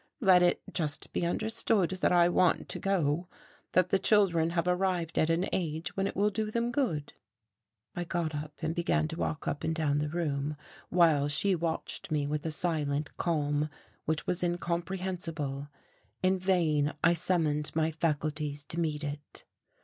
Let it just be understood that I want to go, that the children have arrived at an age when it will do them good." I got up and began to walk up and down the room, while she watched me with a silent calm which was incomprehensible. In vain I summoned my faculties to meet it.